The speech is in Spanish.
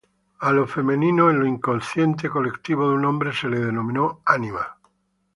A lo "femenino", en lo inconsciente colectivo de un hombre, se le denominó ánima.